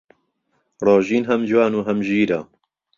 ڕۆژین هەم جوان و هەم ژیرە.